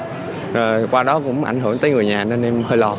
thì qua đó cũng ảnh hưởng tới người nhà nên em hơi lo